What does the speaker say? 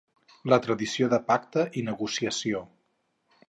La tradició de pacte i negociació.